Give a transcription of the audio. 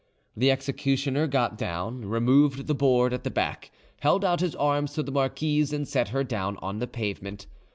The executioner got down, removed the board at the back, held out his arms to the marquise, and set her down on the pavement.